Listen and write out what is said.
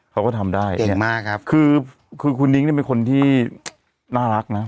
เขาก็ทำได้เก่งมากครับคือคือคุณนิ้งเนี่ยเป็นคนที่น่ารักนะ